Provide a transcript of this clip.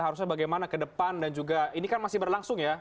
harusnya bagaimana ke depan dan juga ini kan masih berlangsung ya